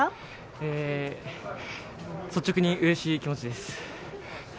率直にうれしい気持ちです。